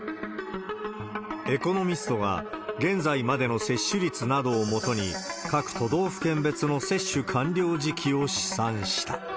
エコノミストが、現在までの接種率などをもとに、各都道府県別の接種完了時期を試算した。